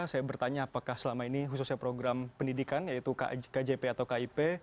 saya bertanya apakah selama ini khususnya program pendidikan yaitu kjp atau kip